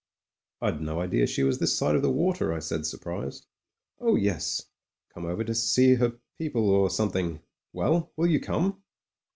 "I'd no idea she was this side of the water/' I said, surprised. "Oh, yes! Come over to see her people or some thing. Well ! will you come